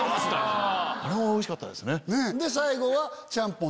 最後は。